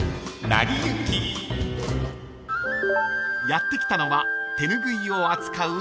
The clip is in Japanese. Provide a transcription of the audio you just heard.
［やって来たのは手拭いを扱う］